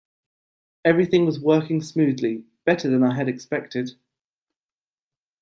Everything was working smoothly, better than I had expected.